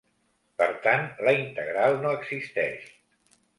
Per tant la integral no existeix.